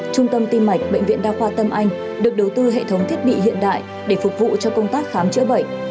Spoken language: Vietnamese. trung tâm tim mạch bệnh viện đa khoa tâm anh được đầu tư hệ thống thiết bị hiện đại để phục vụ cho công tác khám chữa bệnh